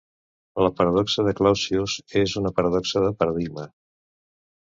La paradoxa de Clausius és una paradoxa de paradigma.